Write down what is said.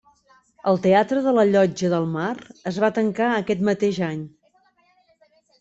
El teatre de la Llotja del Mar es va tancar aquest mateix any.